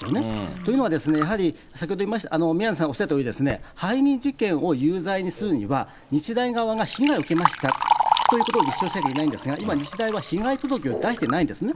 というのは、やはり先ほど宮根さんがおっしゃったとおり、背任事件を有罪にするには、日大側が被害を受けましたということを立証しないといけないんですが、今、日大は被害届を出していないんですね。